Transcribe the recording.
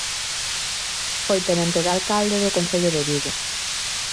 Foi Tenente de Alcalde do concello de Vigo.